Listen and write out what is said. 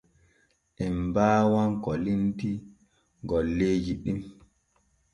En baawan ko limti golleeji ɗin.